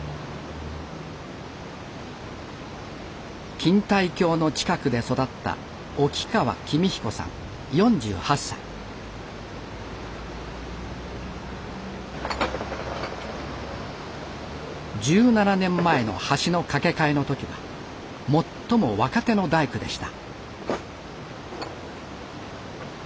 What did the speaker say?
錦帯橋の近くで育った１７年前の橋の架け替えの時は最も若手の大工でした。